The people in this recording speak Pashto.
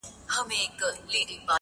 د هندوستان نجوني لولي بند به دي کړینه٫